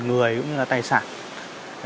người cũng như là tài sản